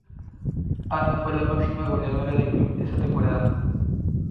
Ana fue la máxima goleadora del club esa temporada.